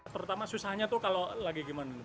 pertama susahnya tuh kalau lagi gimana